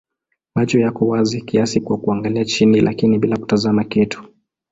Macho yako wazi kiasi kwa kuangalia chini lakini bila kutazama kitu.